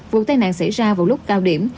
vụ tai nạn xảy ra vào lúc cao điểm